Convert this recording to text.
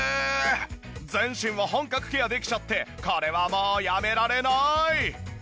全身を本格ケアできちゃってこれはもうやめられない！